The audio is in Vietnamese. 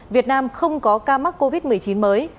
việt nam không có ca mắc covid một mươi chín mới